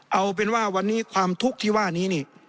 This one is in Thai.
เอาเป็นว่าวันนี้ความทุกข์ที่ว่านี้นี่